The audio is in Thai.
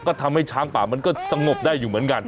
ก็ทำให้ช้างป่ามันก็สงบได้อยู่เหมือนกัน